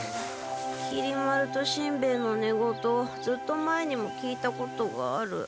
きり丸としんべヱのねごとをずっと前にも聞いたことがある。